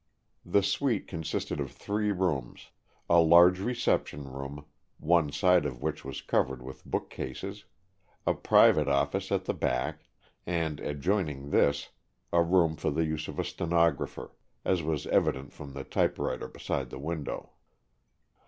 The suite consisted of three rooms, a large reception room, one side of which was covered with book cases; a private office at the back; and, adjoining this, a room for the use of a stenographer, as was evident from the typewriter beside the window.